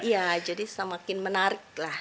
iya jadi semakin menarik lah